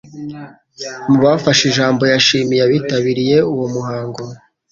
mu bafashe ijambo yashimiye abitabiriye uwo muhango